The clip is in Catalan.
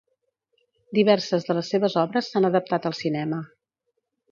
Diverses de les seves obres s'han adaptat al cinema.